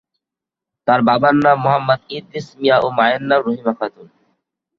তার বাবার নাম মোহাম্মদ ইদ্রিস মিয়া ও মায়ের নাম রহিমা খাতুন।